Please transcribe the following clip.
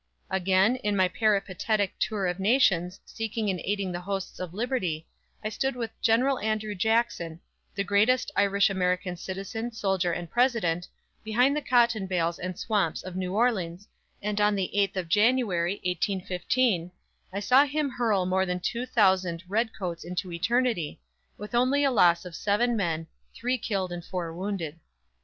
Again, in my peripatetic tour of nations, seeking and aiding the hosts of Liberty, I stood with GENERAL ANDREW JACKSON, the greatest Irish American citizen, soldier and President, behind the cotton bales and swamps of New Orleans, and on the 8th of January, 1815, I saw him hurl more than two thousand "Red Coats" into eternity, with only a loss of seven men, three killed and four wounded.